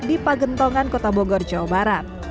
di pagentongan kota bogor jawa barat